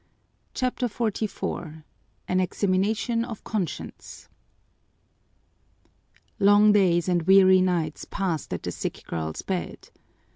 CHAPTER XLIV An Examination of Conscience Long days and weary nights passed at the sick girl's bed.